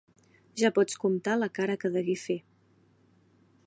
Ja pots comptar la cara que degué fer!